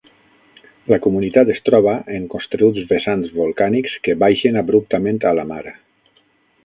La comunitat es troba en costeruts vessants volcànics que baixen abruptament a la mar.